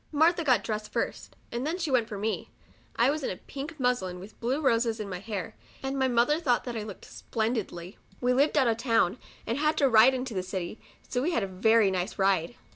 Martha got dressed first, and then she went for me. I was in a pink muslin, with blue roses in my hair, and my mother thought I COUNTRY DOLL. 55 looked splendidly. We lived out of town, and had to ride into the city, so we had a very nice ride.